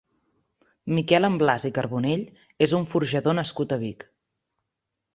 Miquel Amblàs i Carbonell és un forjador nascut a Vic.